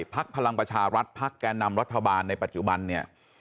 พลังประชารัฐพักแก่นำรัฐบาลในปัจจุบันเนี่ย